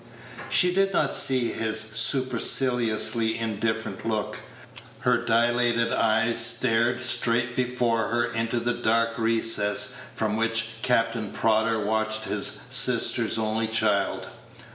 She did not see his superciliously indifferent look; her dilated eyes stared straight before her into the dark recess from which Captain Prodder watched his sister's only child.